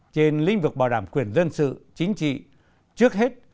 trên lĩnh vực bảo đảm quyền dân sự chính trị trước hết